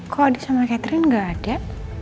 kok adi sama catherine gak ada